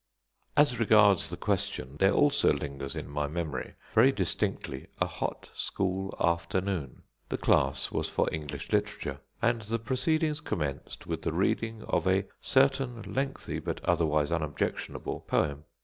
As regards the question, there also lingers in my memory very distinctly a hot school afternoon. The class was for English literature, and the proceedings commenced with the reading of a certain lengthy, but otherwise unobjectionable, poem.